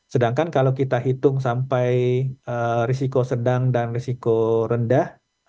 sedangkan kalau kita hitung sampai risiko sedang dan risiko rendah